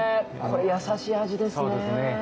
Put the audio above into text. これ優しい味ですね